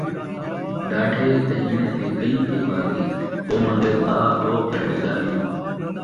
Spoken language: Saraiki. ݙاڈھے تے ہیݨیں دی کئیں بھائیوالی ، او من٘گے بھاء ، او کڈھے ڳالھیں